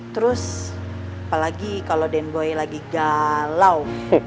terus apalagi kalau den boy lagi galau